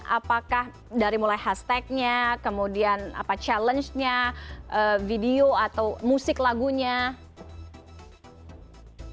apakah dari mulai hashtagnya kemudian challenge nya video atau musik lagunya